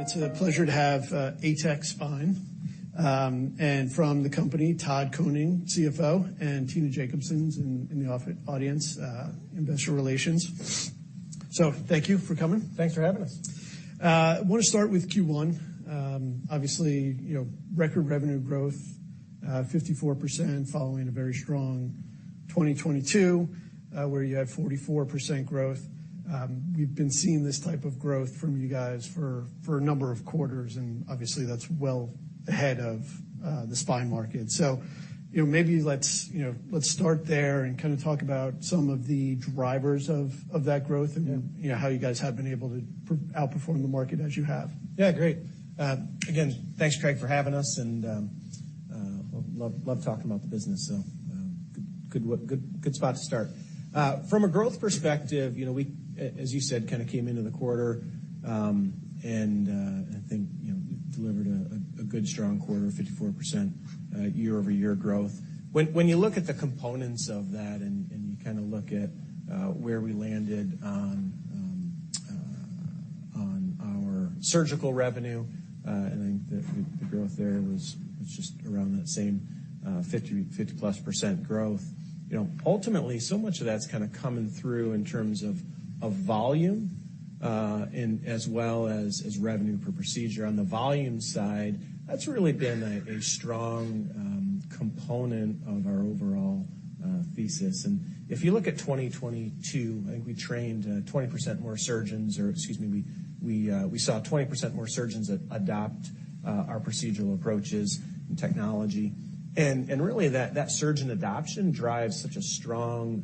It's a pleasure to have ATEC Spine. From the company, Todd Koning, CFO, and Tina Jacobsen in the audience, Investor Relations. Thank you for coming. Thanks for having us. I wanna start with Q1. Obviously, you know, record revenue growth, 54% following a very strong 2022, where you had 44% growth. We've been seeing this type of growth from you guys for a number of quarters, and obviously that's well ahead of the spine market. You know, maybe let's, you know, let's start there and kinda talk about some of the drivers of that growth. Yeah. you know, how you guys have been able to outperform the market as you have. Yeah, great. Again, thanks Craig for having us and love talking about the business, so good spot to start. From a growth perspective, you know, we as you said, kinda came into the quarter and I think, you know, delivered a good strong quarter, 54% year-over-year growth. When you look at the components of that and you kinda look at where we landed on our surgical revenue, I think the growth there was just around that same 50-plus percent growth. You know, ultimately, so much of that's kinda coming through in terms of volume and as well as revenue per procedure. On the volume side, that's really been a strong component of our overall thesis. If you look at 2022, I think we trained 20% more surgeons or, excuse me, we saw 20% more surgeons adopt our procedural approaches and technology. Really that surgeon adoption drives such a strong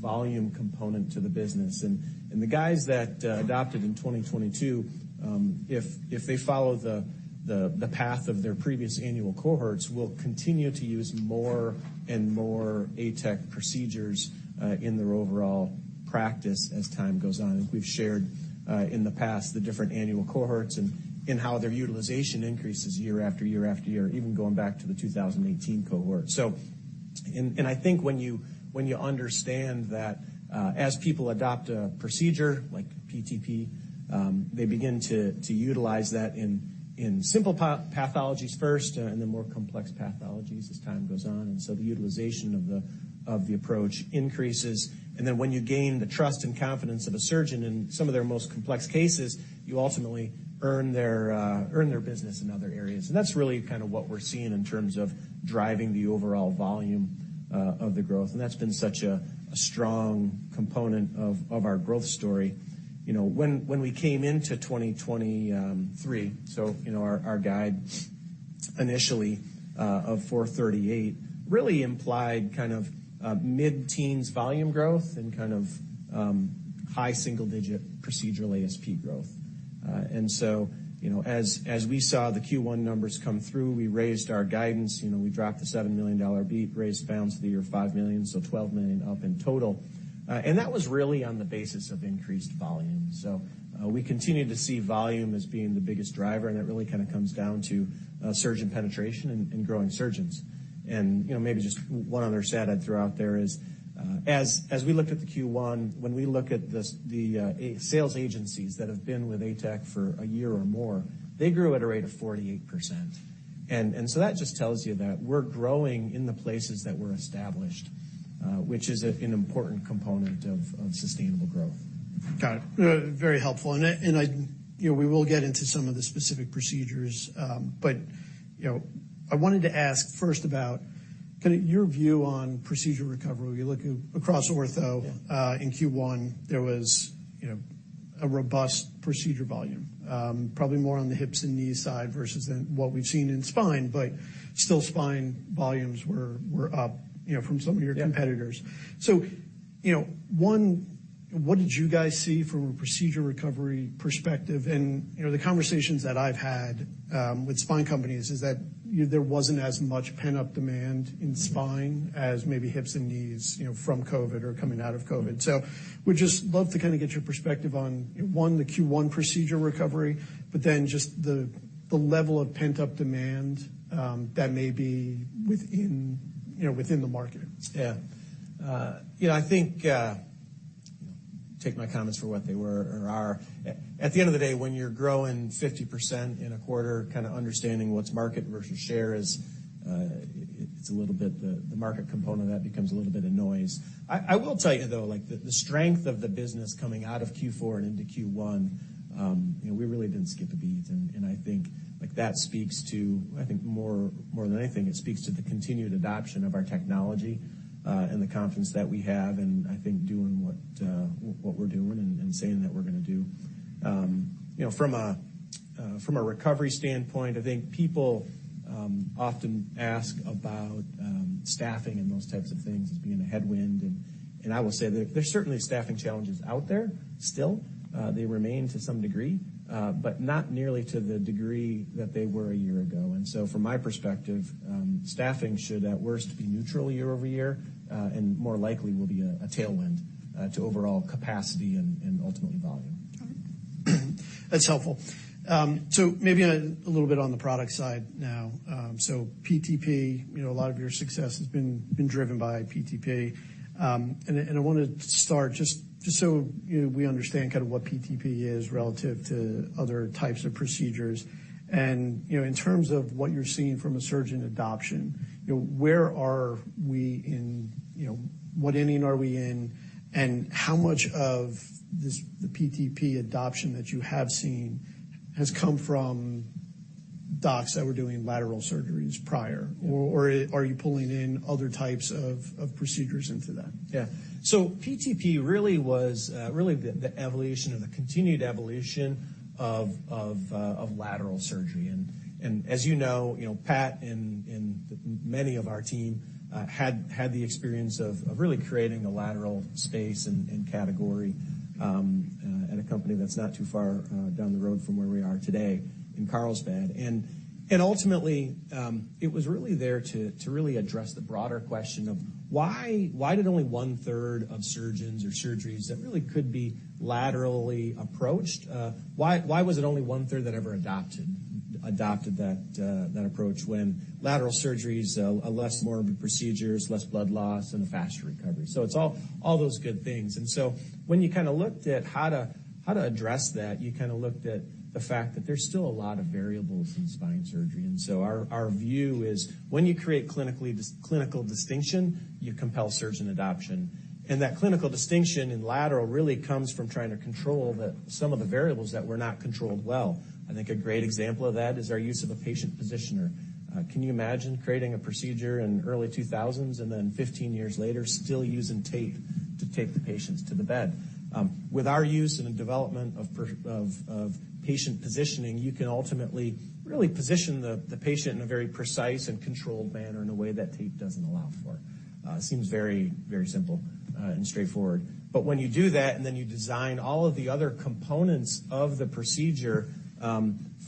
volume component to the business. The guys that adopted in 2022, if they follow the path of their previous annual cohorts, will continue to use more and more ATEC procedures in their overall practice as time goes on. As we've shared in the past, the different annual cohorts and how their utilization increases year after year after year, even going back to the 2018 cohort. I think when you understand that as people adopt a procedure like PTP, they begin to utilize that in simple pathologies first, and then more complex pathologies as time goes on. The utilization of the approach increases. Then when you gain the trust and confidence of a surgeon in some of their most complex cases, you ultimately earn their business in other areas. That's really kind of what we're seeing in terms of driving the overall volume of the growth. That's been such a strong component of our growth story. You know, when we came into 2023, you know, our guide initially of $438 really implied kind of mid-teens volume growth and kind of high single digit procedural ASP growth. You know, as we saw the Q1 numbers come through, we raised our guidance. You know, we dropped the $7 million beat, raised the balance of the year $5 million, so $12 million up in total. That was really on the basis of increased volume. We continue to see volume as being the biggest driver, and it really kinda comes down to surgeon penetration and growing surgeons. You know, maybe just one other stat I'd throw out there is, as we look at the Q1, when we look at the sales agencies that have been with ATEC for a year or more, they grew at a rate of 48%. That just tells you that we're growing in the places that we're established, which is an important component of sustainable growth. Got it. Very helpful. I, you know, we will get into some of the specific procedures. You know, I wanted to ask first about kind of your view on procedure recovery. You're looking across ortho. Yeah. In Q1, there was, you know, a robust procedure volume, probably more on the hips and knees side versus in what we've seen in spine, but still spine volumes were up, you know, from some of your competitors. Yeah. You know, one, what did you guys see from a procedure recovery perspective? You know, the conversations that I've had with spine companies is that there wasn't as much pent-up demand in spine as maybe hips and knees, you know, from COVID or coming out of COVID. Would just love to kinda get your perspective on, one, the Q1 procedure recovery, but then just the level of pent-up demand that may be within, you know, within the market. Yeah. you know, I think, you know, take my comments for what they were or are. At the end of the day, when you're growing 50% in a quarter, kinda understanding what's market versus share is, it's a little bit the market component of that becomes a little bit of noise. I will tell you though, like the strength of the business coming out of Q4 and into Q1, you know, we really didn't skip a beat. I think like that speaks to, I think more than anything, it speaks to the continued adoption of our technology, and the confidence that we have and I think doing what we're doing and saying that we're gonna do. You know, from a, from a recovery standpoint, I think people often ask about staffing and those types of things as being a headwind. I will say there's certainly staffing challenges out there still. They remain to some degree, but not nearly to the degree that they were a year ago. From my perspective, staffing should at worst be neutral year-over-year, and more likely will be a tailwind to overall capacity and ultimately volume. That's helpful. Maybe a little bit on the product side now. PTP, you know, a lot of your success has been driven by PTP. I want to start just so, you know, we understand kind of what PTP is relative to other types of procedures. In terms of what you're seeing from a surgeon adoption, you know, where are we, you know, what inning are we in, and how much of this, the PTP adoption that you have seen has come from docs that were doing lateral surgeries prior? Or are you pulling in other types of procedures into that? Yeah. PTP really was really the evolution or the continued evolution of lateral surgery. As you know, you know, Pat and many of our team had the experience of really creating a lateral space and category at a company that's not too far down the road from where we are today in Carlsbad. Ultimately, it was really there to really address the broader question of why did only one-third of surgeons or surgeries that really could be laterally approached, why was it only one-third that ever adopted that approach when lateral surgery's a less morbid procedures, less blood loss, and a faster recovery? It's all those good things. When you kinda looked at how to address that, you kinda looked at the fact that there's still a lot of variables in spine surgery. Our view is when you create clinical distinction, you compel surgeon adoption. That clinical distinction in lateral really comes from trying to control some of the variables that were not controlled well. I think a great example of that is our use of a patient positioner. Can you imagine creating a procedure in early 2000s and then 15 years later still using tape to tape the patients to the bed? With our use and the development of patient positioning, you can ultimately really position the patient in a very precise and controlled manner in a way that tape doesn't allow for. It seems very, very simple, and straightforward. When you do that, then you design all of the other components of the procedure,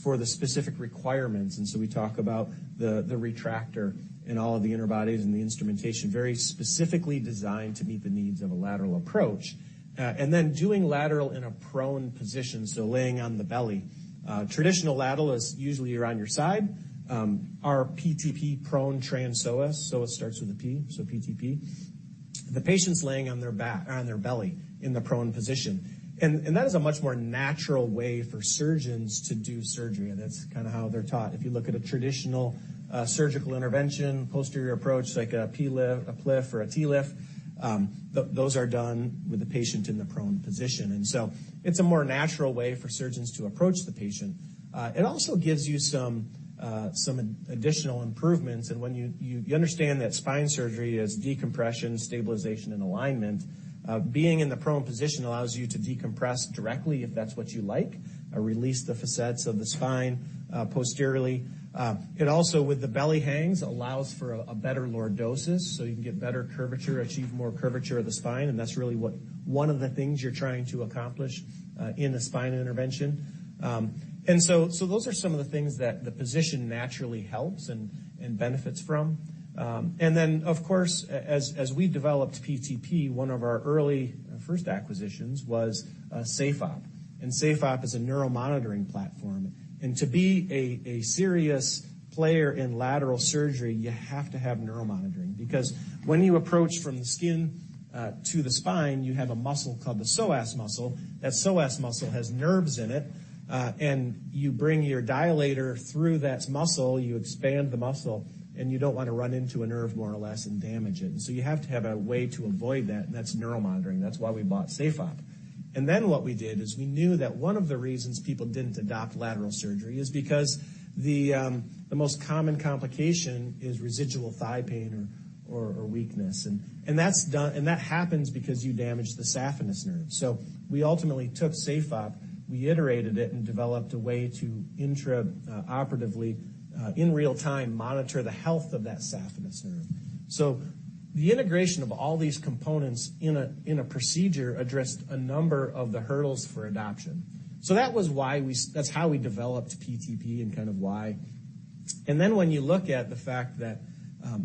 for the specific requirements, we talk about the retractor and all of the interbodies and the instrumentation very specifically designed to meet the needs of a lateral approach. Then doing lateral in a prone position, so laying on the belly. Traditional lateral is usually you're on your side. Our PTP Prone TransPsoas, psoas starts with a P, so PTP. The patient's laying on their belly in the prone position. That is a much more natural way for surgeons to do surgery, and that's kinda how they're taught. If you look at a traditional surgical intervention, posterior approach, like a PLIF, a PLIF or a TLIF, those are done with the patient in the prone position. It's a more natural way for surgeons to approach the patient. It also gives you some additional improvements. When you understand that spine surgery is decompression, stabilization, and alignment, being in the prone position allows you to decompress directly, if that's what you like, or release the facets of the spine posteriorly. It also, with the belly hangs, allows for a better lordosis, so you can get better curvature, achieve more curvature of the spine, and that's really what one of the things you're trying to accomplish in a spine intervention. Those are some of the things that the position naturally helps and benefits from. Of course, as we developed PTP, one of our early, first acquisitions was SafeOp. SafeOp is a neuromonitoring platform. To be a serious player in lateral surgery, you have to have neuromonitoring because when you approach from the skin to the spine, you have a muscle called the psoas muscle. That psoas muscle has nerves in it, and you bring your dilator through that muscle, you expand the muscle, and you don't wanna run into a nerve more or less and damage it. You have to have a way to avoid that, and that's neuromonitoring. That's why we bought SafeOp. What we did is we knew that one of the reasons people didn't adopt lateral surgery is because the most common complication is residual thigh pain or weakness. That happens because you damage the saphenous nerve. We ultimately took SafeOp, we iterated it, and developed a way to operatively in real time monitor the health of that saphenous nerve. The integration of all these components in a procedure addressed a number of the hurdles for adoption. That was why that's how we developed PTP and kind of why. When you look at the fact that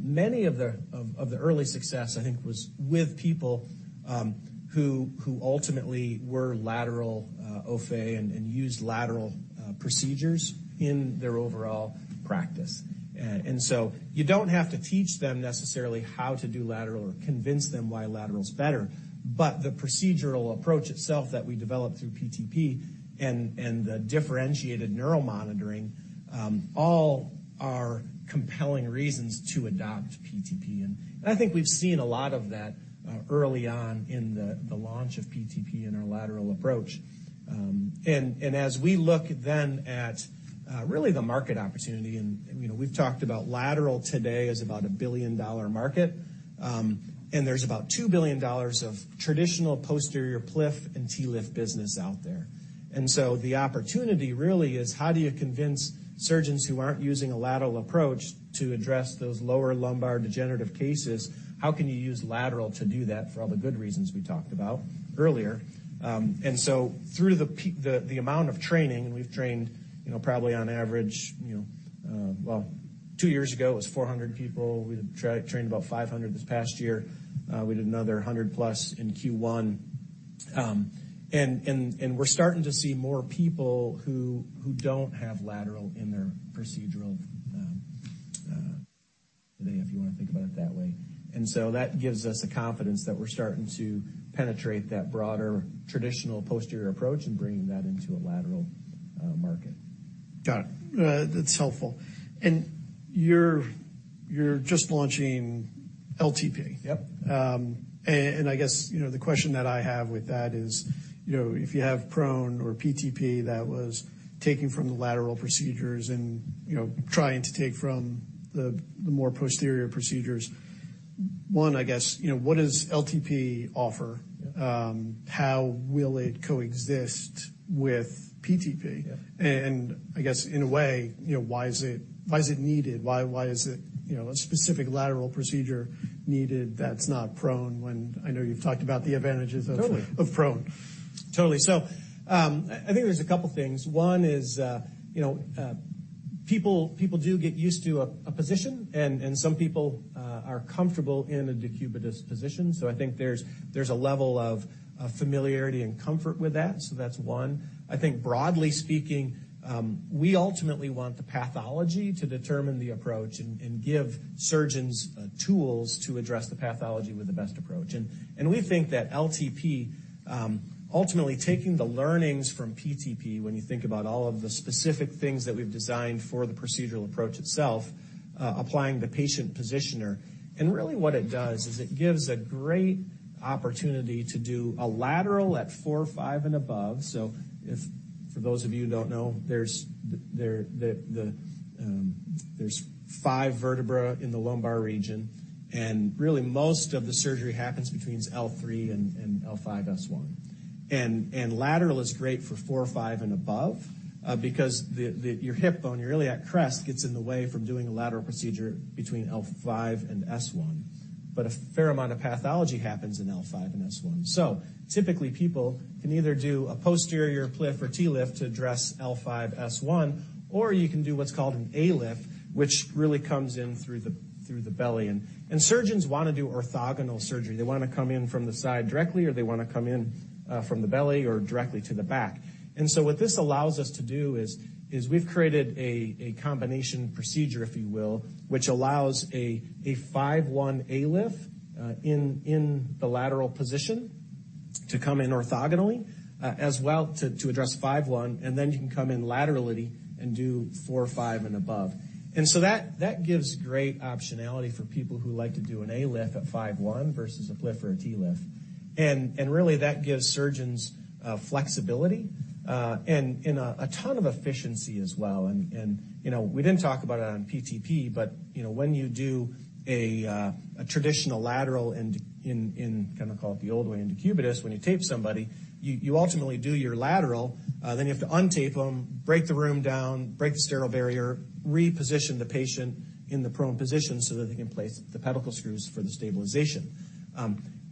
many of the early success, I think, was with people who ultimately were lateral au fait and used lateral procedures in their overall practice. You don't have to teach them necessarily how to do lateral or convince them why lateral's better. The procedural approach itself that we developed through PTP and the differentiated neuromonitoring, all are compelling reasons to adopt PTP. I think we've seen a lot of that early on in the launch of PTP and our lateral approach. As we look then at really the market opportunity, you know, we've talked about lateral today as about a $1 billion market, and there's about $2 billion of traditional posterior PLIF and TLIF business out there. The opportunity really is how do you convince surgeons who aren't using a lateral approach to address those lower lumbar degenerative cases, how can you use lateral to do that for all the good reasons we talked about earlier? Through the amount of training, and we've trained, you know, probably on average, you know, well, two years ago, it was 400 people. We trained about 500 this past year. We did another 100+ in Q1. We're starting to see more people who don't have lateral in their procedural, if you wanna think about it that way. That gives us the confidence that we're starting to penetrate that broader traditional posterior approach and bringing that into a lateral market. Got it. That's helpful. You're just launching LTP? Yep. I guess, you know, the question that I have with that is, you know, if you have prone or PTP that was taking from the lateral procedures and, you know, trying to take from the more posterior procedures, one, I guess, you know, what does LTP offer? How will it coexist with PTP? Yeah. I guess in a way, you know, why is it needed? Why is it, you know, a specific lateral procedure needed that's not prone when I know you've talked about the advantages of. Totally. of prone. Totally. I think there's a couple things. One is, you know, people do get used to a position, and some people are comfortable in a decubitus position. I think there's a level of familiarity and comfort with that, so that's one. I think broadly speaking, we ultimately want the pathology to determine the approach and give surgeons tools to address the pathology with the best approach. We think that LTP, ultimately taking the learnings from PTP, when you think about all of the specific things that we've designed for the procedural approach itself, applying the patient positioner. Really what it does is it gives a great opportunity to do a lateral at four, five, and above. For those of you who don't know, there's five vertebra in the lumbar region, and really most of the surgery happens between L3 and L5, S1. Lateral is great for 4, 5, and above because your hip bone, your iliac crest gets in the way from doing a lateral procedure between L5 and S1. A fair amount of pathology happens in L5 and S1. Typically people can either do a posterior PLIF or TLIF to address L5, S1, or you can do what's called an ALIF, which really comes in through the belly. Surgeons wanna do orthogonal surgery. They wanna come in from the side directly, or they wanna come in from the belly or directly to the back. What this allows us to do is, we've created a combination procedure, if you will, which allows a 5 1 ALIF in the lateral position to come in orthogonally as well to address 5 1, and then you can come in laterally and do 4, 5, and above. That gives great optionality for people who like to do an ALIF at 5 1 versus a PLIF or a TLIF. Really that gives surgeons flexibility and a ton of efficiency as well. You know, we didn't talk about it on PTP, but, you know, when you do a traditional lateral and in kinda call it the old way in decubitus, when you tape somebody, you ultimately do your lateral, then you have to untape them, break the room down, break the sterile barrier, reposition the patient in the prone position so that they can place the pedicle screws for the stabilization.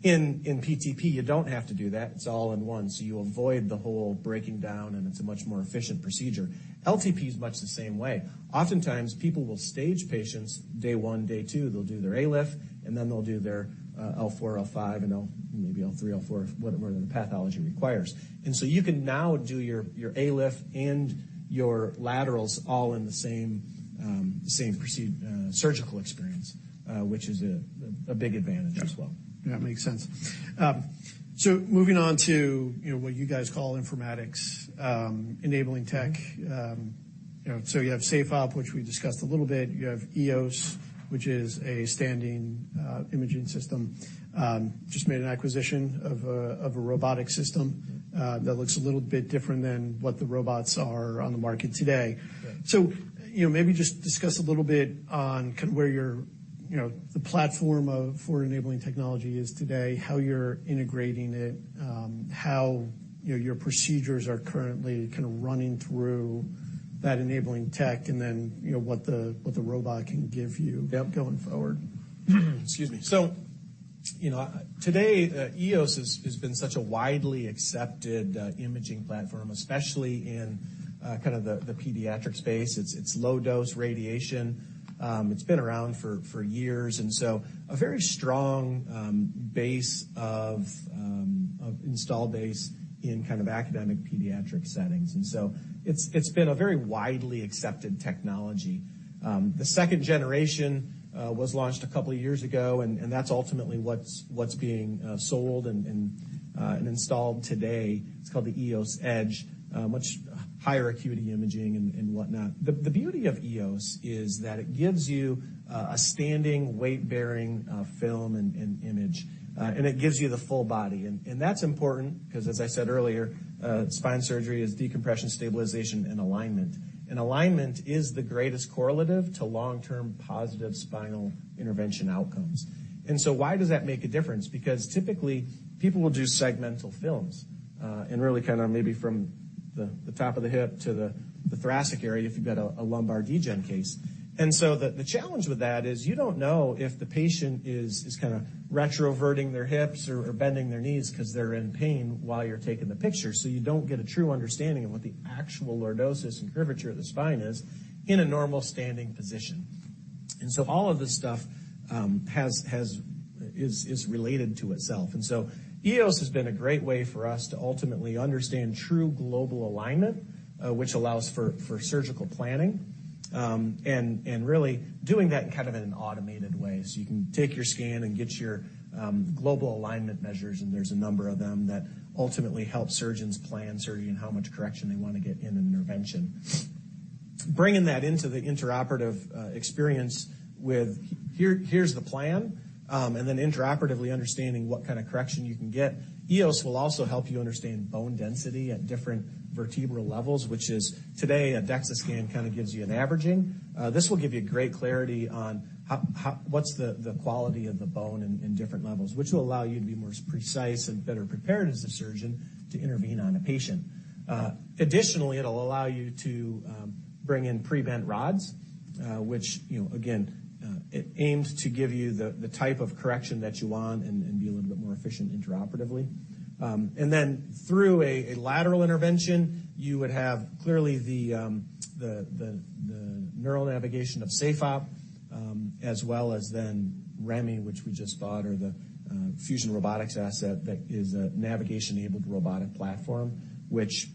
In PTP, you don't have to do that. It's all in one, so you avoid the whole breaking down, and it's a much more efficient procedure. LTP is much the same way. Oftentimes, people will stage patients day 1, day 2. They'll do their ALIF, and then they'll do their L4, L5, and maybe L3, L4, whatever the pathology requires. You can now do your ALIF and your laterals all in the same, the same surgical experience, which is a big advantage as well. Yeah. That makes sense. Moving on to, you know, what you guys call informatics, enabling tech. You know, so you have SafeOp, which we discussed a little bit. You have EOS, which is a standing imaging system. Just made an acquisition of a robotic system that looks a little bit different than what the robots are on the market today. Right. You know, maybe just discuss a little bit on kind of where your, you know, the platform for enabling technology is today, how you're integrating it, how, you know, your procedures are currently kind of running through that enabling tech, and then, you know, what the, what the robot can give you? Yep. -going forward. Excuse me. You know, today, EOS has been such a widely accepted imaging platform, especially in kind of the pediatric space. It's low dose radiation. It's been around for years, and so a very strong base of install base in kind of academic pediatric settings. It's been a very widely accepted technology. The second generation was launched 2 years ago, and that's ultimately what's being sold and installed today. It's called the EOSedge, much higher acuity imaging and whatnot. The beauty of EOS is that it gives you a standing weightbearing film and image, and it gives you the full body. That's important 'cause as I said earlier, spine surgery is decompression, stabilization, and alignment. Alignment is the greatest correlative to long-term positive spinal intervention outcomes. Why does that make a difference? Because typically, people will do segmental films, and really kind of maybe from the top of the hip to the thoracic area if you've got a lumbar degen case. The challenge with that is you don't know if the patient is kinda retroverting their hips or bending their knees 'cause they're in pain while you're taking the picture, so you don't get a true understanding of what the actual lordosis and curvature of the spine is in a normal standing position. All of this stuff is related to itself. EOS has been a great way for us to ultimately understand true global alignment, which allows for surgical planning. Really doing that in kind of in an automated way. You can take your scan and get your global alignment measures, and there's a number of them that ultimately help surgeons plan surgery and how much correction they wanna get in an intervention. Bringing that into the intraoperative experience with here's the plan, and then intraoperatively understanding what kind of correction you can get. EOS will also help you understand bone density at different vertebral levels, which is today a DEXA scan kind of gives you an averaging. This will give you great clarity on how what's the quality of the bone in different levels, which will allow you to be more precise and better prepared as a surgeon to intervene on a patient. Additionally, it'll allow you to bring in pre-bent rods, which, you know, again, it aims to give you the type of correction that you want and be a little bit more efficient intraoperatively. Through a lateral intervention, you would have clearly the neural navigation of SafeOp, as well as then REMI, which we just bought, or the Fusion Robotics asset that is a navigation-enabled robotic platform, which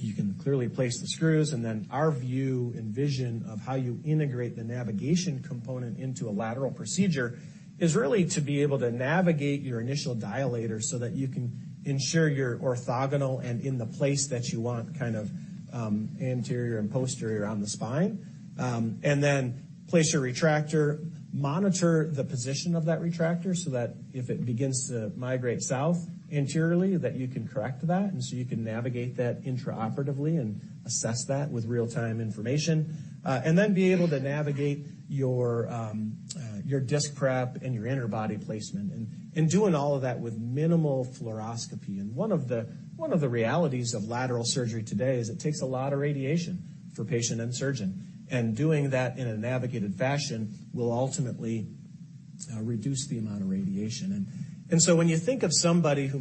you can clearly place the screws. Our view and vision of how you integrate the navigation component into a lateral procedure is really to be able to navigate your initial dilator so that you can ensure you're orthogonal and in the place that you want, kind of, anterior and posterior on the spine. Place your retractor, monitor the position of that retractor so that if it begins to migrate south anteriorly, that you can correct that. So you can navigate that intraoperatively and assess that with real-time information. Then be able to navigate your disc prep and your interbody placement. Doing all of that with minimal fluoroscopy. One of the realities of lateral surgery today is it takes a lot of radiation for patient and surgeon. Doing that in a navigated fashion will ultimately reduce the amount of radiation. When you think of somebody who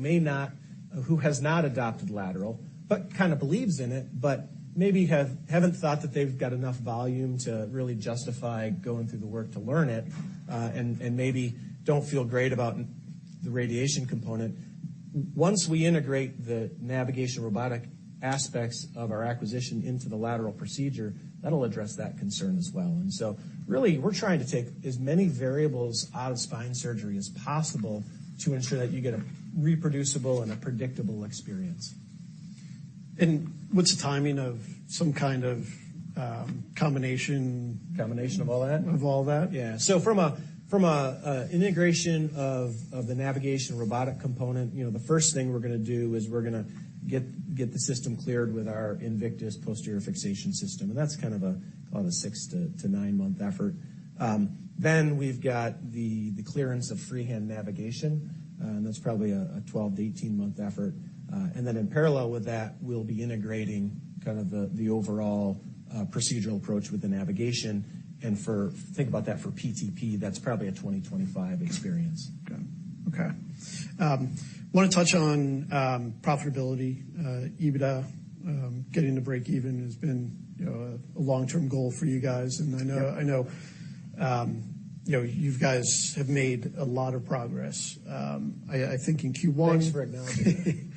has not adopted lateral, but kind of believes in it, but maybe haven't thought that they've got enough volume to really justify going through the work to learn it, and maybe don't feel great about the radiation component. Once we integrate the navigation robotic aspects of our acquisition into the lateral procedure, that'll address that concern as well. Really, we're trying to take as many variables out of spine surgery as possible to ensure that you get a reproducible and a predictable experience. What's the timing of some kind of combination... Combination of all that? Of all that? Yeah. From an integration of the navigation robotic component, you know, the first thing we're gonna do is we're gonna get the system cleared with our InVictus posterior fixation system. That's kind of about a 6-9 month effort. We've got the clearance of freehand navigation, that's probably a 12-18 month effort. In parallel with that, we'll be integrating kind of the overall procedural approach with the navigation. Think about that for PTP, that's probably a 2025 experience. Okay. Wanna touch on profitability, EBITDA. Getting to break even has been, you know, a long-term goal for you guys. I know. Yeah. I know, you know, you guys have made a lot of progress. I think in Q1… Thanks for acknowledging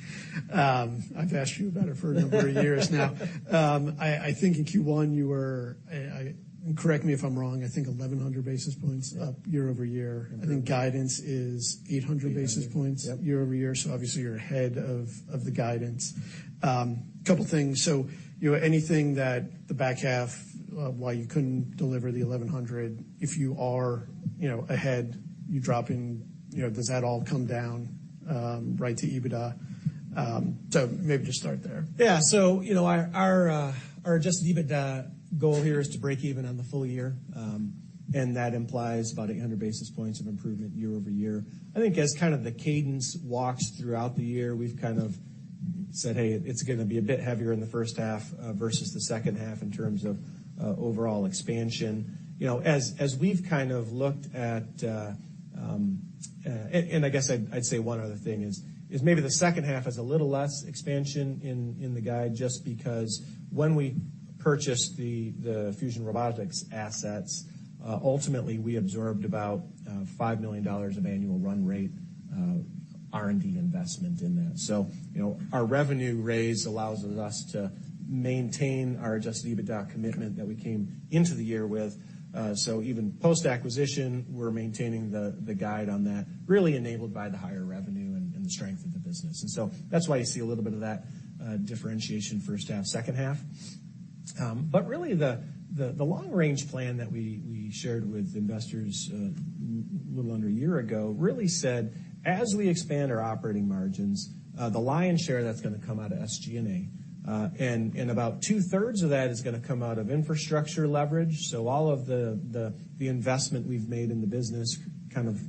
that. I've asked you about it for a number of years now. I think in Q1, correct me if I'm wrong, I think 1,100 basis points up year-over-year. Mm-hmm. I think guidance is 800 basis points. Yep. Year-over-year, obviously you're ahead of the guidance. Couple things. You know, anything that the back half, why you couldn't deliver the 1,100 if you are, you know, ahead, you drop in, you know, does that all come down right to EBITDA? Maybe just start there. Yeah. you know, our adjusted EBITDA goal here is to break even on the full year. That implies about 800 basis points of improvement year-over-year. I think as kind of the cadence walks throughout the year, we've kind of said, "Hey, it's gonna be a bit heavier in the first half versus the second half in terms of overall expansion." You know, as we've kind of looked at, and I guess I'd say one other thing is maybe the second half has a little less expansion in the guide, just because when we purchased the Fusion Robotics assets, ultimately we absorbed about $5 million of annual run rate R&D investment in that. you know, our revenue raise allows us to maintain our adjusted EBITDA commitment that we came into the year with. Even post-acquisition, we're maintaining the guide on that, really enabled by the higher revenue and the strength of the business. That's why you see a little bit of that differentiation first half, second half. Really the long range plan that we shared with investors, little under a year ago, really said, as we expand our operating margins, the lion's share that's gonna come out of SG&A. And about two-thirds of that is gonna come out of infrastructure leverage. All of the investment we've made in the business kind of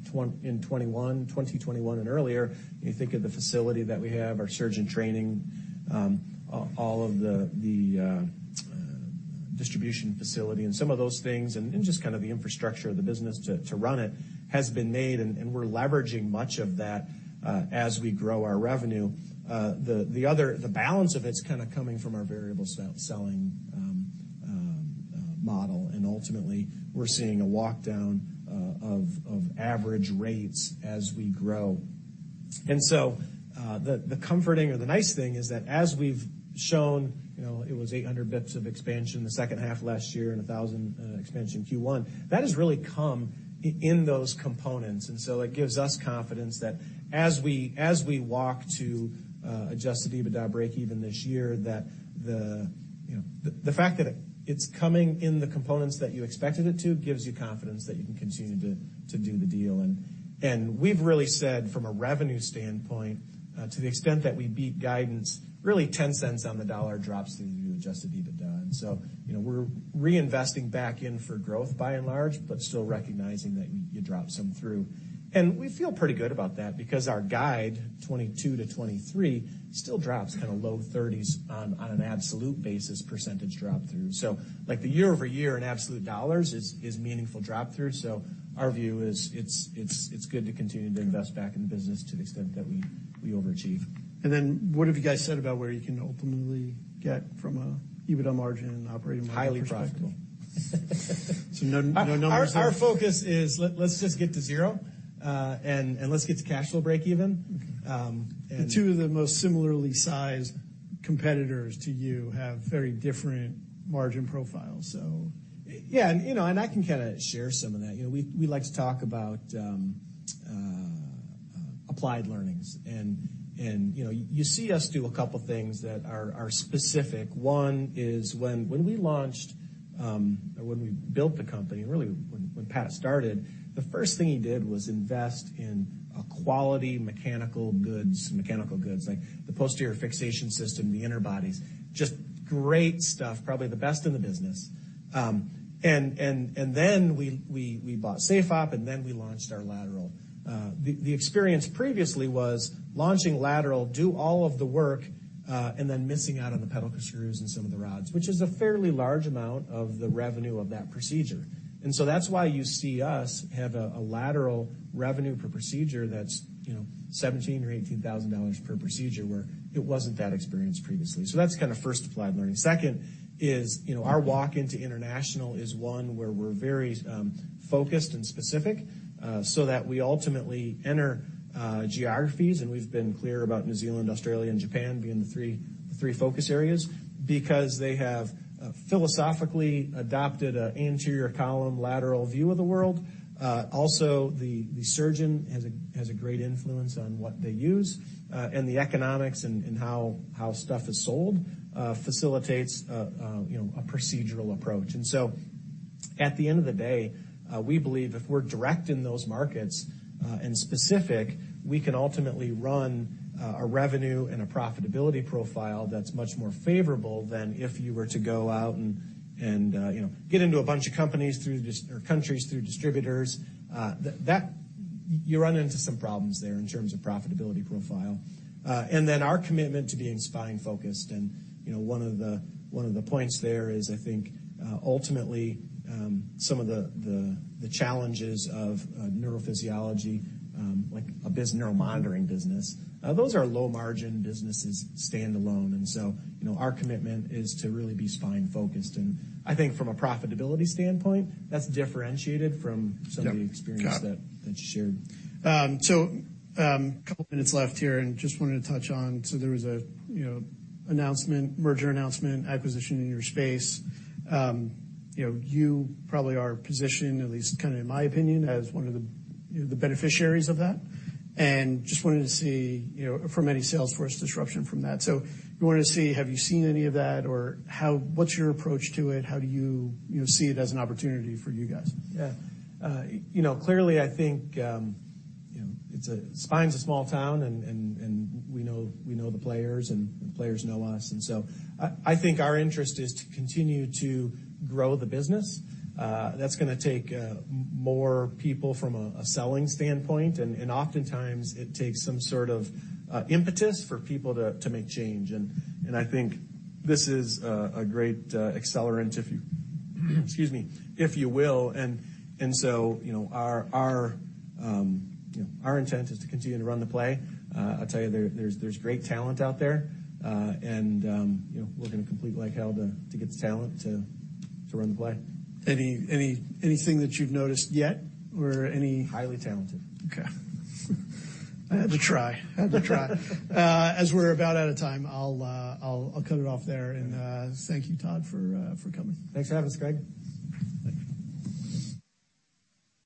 in 21, 2021 and earlier, you think of the facility that we have, our surgeon training, distribution facility and some of those things, just kind of the infrastructure of the business to run it, has been made, we're leveraging much of that as we grow our revenue. The balance of it's kind of coming from our variable selling model. Ultimately, we're seeing a walk down of average rates as we grow. The comforting or the nice thing is that as we've shown, you know, it was 800 Bips of expansion the second half last year and 1,000 expansion Q1, that has really come in those components. It gives us confidence that as we walk to adjusted EBITDA breakeven this year that You know, the fact that it's coming in the components that you expected it to gives you confidence that you can continue to do the deal. We've really said from a revenue standpoint, to the extent that we beat guidance, really $0.10 on the dollar drops through to adjusted EBITDA. You know, we're reinvesting back in for growth by and large, but still recognizing that you drop some through. We feel pretty good about that because our guide, 22-23, still drops kind of low 30s% on an absolute basis percentage drop through. Like the year-over-year in absolute dollars is meaningful drop through. Our view is it's good to continue to invest back in the business to the extent that we overachieve. What have you guys said about where you can ultimately get from a EBITDA margin and operating margin perspective? Highly profitable. No, no numbers there. Our focus is let's just get to zero, and let's get to cash flow breakeven. The two of the most similarly sized competitors to you have very different margin profiles so. Yeah. You know, and I can kinda share some of that. You know, we like to talk about applied learnings. You know, you see us do a couple of things that are specific. One is when we launched, or when we built the company, really when Pat started, the first thing he did was invest in a quality mechanical goods, like the posterior fixation system, the interbodies, just great stuff, probably the best in the business. We bought SafeOp, and then we launched our lateral. The experience previously was launching lateral, do all of the work, and then missing out on the pedicle screws and some of the rods, which is a fairly large amount of the revenue of that procedure. That's why you see us have a lateral revenue per procedure that's, you know, $17,000-$18,000 per procedure, where it wasn't that experience previously. That's kinda first applied learning. Second is, you know, our walk into international is one where we're very focused and specific so that we ultimately enter geographies. We've been clear about New Zealand, Australia, and Japan being the three focus areas because they have philosophically adopted a anterior column lateral view of the world. The surgeon has a great influence on what they use, and the economics and how stuff is sold facilitates, you know, a procedural approach. At the end of the day, we believe if we're direct in those markets, and specific, we can ultimately run a revenue and a profitability profile that's much more favorable than if you were to go out and, you know, get into a bunch of companies through or countries through distributors. You run into some problems there in terms of profitability profile. Then our commitment to being spine focused. You know, one of the points there is, I think, ultimately, some of the challenges of neurophysiology, like a neural monitoring business, those are low margin businesses standalone. You know, our commitment is to really be spine focused. I think from a profitability standpoint, that's differentiated from some of the experience that- Got it. That you shared. A couple minutes left here and just wanted to touch on. There was a, you know, announcement, merger announcement, acquisition in your space. You know, you probably are positioned, at least kinda in my opinion, as one of the, you know, the beneficiaries of that. Just wanted to see, you know, from any sales force disruption from that. We wanted to see, have you seen any of that, or what's your approach to it? How do you know, see it as an opportunity for you guys? Yeah. You know, clearly, I think, you know, spine's a small town and we know the players and the players know us. I think our interest is to continue to grow the business. That's gonna take more people from a selling standpoint. Oftentimes it takes some sort of impetus for people to make change. I think this is a great accelerant, excuse me, if you will. You know, our intent is to continue to run the play. I'll tell you, there's great talent out there, and, you know, we're gonna compete like hell to get the talent to run the play. Anything that you've noticed yet or? Highly talented. Okay. I had to try. I had to try. As we're about out of time, I'll cut it off there. Thank you, Todd, for coming. Thanks for having us, Craig. Thank you.